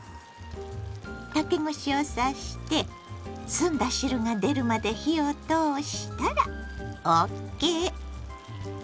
竹串を刺して澄んだ汁が出るまで火を通したらＯＫ。